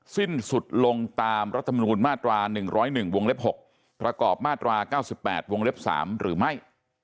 สิ้นสุดลงตามรัฐมนูลมาตรา๑๐๑วงเล็บ๖ประกอบมาตรา๙๘วงเล็บ๓หรือไม่